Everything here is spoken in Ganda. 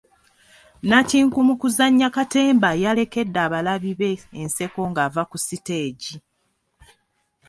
Nnakinku mu kuzannya katemba yalekedde abalabi be enseko ng'ava ku siteegi.